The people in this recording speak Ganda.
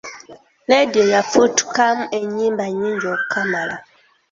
Laadiyo yafutukamu ennyimba nnyingi okukamala.